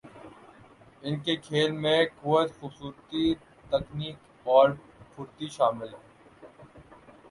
ان کے کھیل میں قوت، خوبصورتی ، تکنیک اور پھرتی شامل ہے۔